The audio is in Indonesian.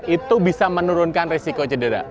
itu bisa menurunkan risiko cedera